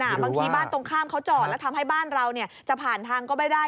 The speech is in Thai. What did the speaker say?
บางทีบ้านตรงข้ามเขาจอดแล้วทำให้บ้านเราจะผ่านทางก็ไม่ได้